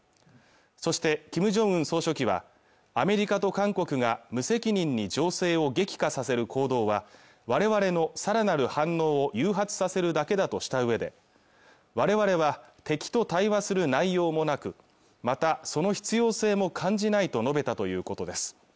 そしてキム・ジョンウン総書記はアメリカと韓国が無責任に情勢を激化させる行動はわれわれの更なる反応を誘発させるだけだとしたうえで我々は敵と対話する内容もなくまたその必要性も感じないと述べたということです